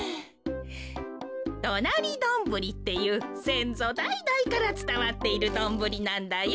どなりドンブリっていうせんぞだいだいからつたわっているドンブリなんだよ。